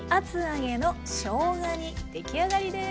出来上がりです。